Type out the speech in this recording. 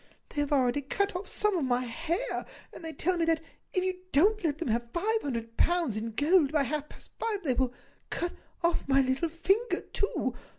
They have already cut off some of my hair, and they tell me that, if you don't let them have five hundred pounds in gold by half past five, they will cut off my little finger too.